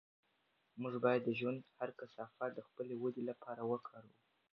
موږ باید د ژوند هر کثافت د خپلې ودې لپاره وکاروو.